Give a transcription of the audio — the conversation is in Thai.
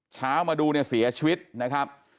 เช้ามาดูเนี่ยเสียชีวิตนะครับ